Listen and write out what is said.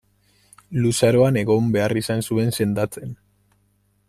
Luzaroan egon behar izan zuen sendatzen.